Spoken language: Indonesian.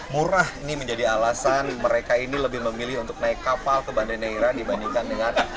murah ini menjadi alasan mereka ini lebih memilih untuk naik kapal ke banda neira dibandingkan dengan